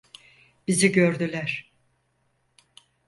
Bizi gördüler.